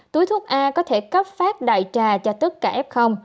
túi thuốc a có thể cấp phát đại trà cho tất cả f